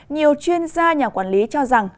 nhiều chuyên gia nhà quản lý cho rằng